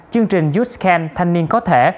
chương trình youth scan thanh niên có thể